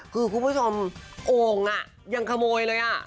คือคุณผู้ชมโอ่งยังขโมยเลยอ่ะ